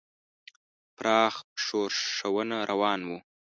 پراخ ښورښونه روان وو.